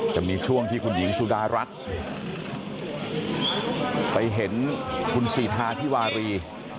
จะมีช่วงที่คุณหญิงสุดารัฐไปเห็นคุณสิทาธิวารี